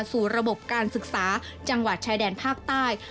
สู่ระบบการศึกษาจังหวัดชายแดนภาคใต้